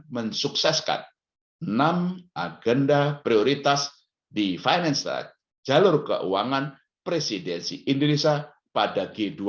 mensukseskan enam agenda prioritas di finance that jalur keuangan presidensi indonesia pada